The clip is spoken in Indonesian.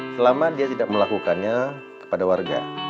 selama dia tidak melakukannya kepada warga